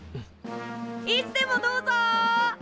いつでもどうぞ！